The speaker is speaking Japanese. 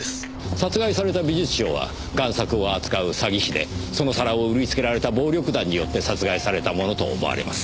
殺害された美術商は贋作を扱う詐欺師でその皿を売りつけられた暴力団によって殺害されたものと思われます。